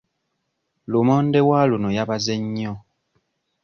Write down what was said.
Lumonde wa luno yabaze nnyo.